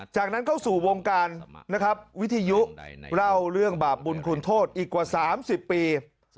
จากนั้นเข้าสู่วงการนะครับวิทยุเล่าเรื่องบาปบุญคุณโทษอีกกว่า๓๐ปี